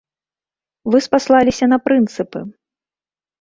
Вы спаслаліся на прынцыпы.